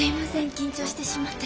緊張してしまって。